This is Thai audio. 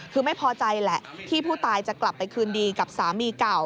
คือไม่พอใจแหละที่ผู้ตายจะกลับไปคืนดีกับสามีเก่า